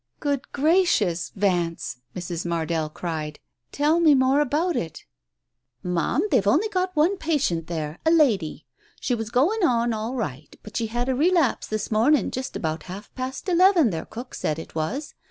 "Good gracious, Vance! " Mrs. Mardell cried. "Tell me more about it 1 " "Ma'am, they've only got one patient there — a lady. She was going on all right, but she had a relapse this morning, just about half past eleven, their cook said it was.